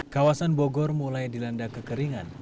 kawasan bogor mulai dilanda kekeringan